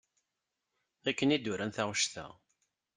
Akken i d-uran taɣect-a.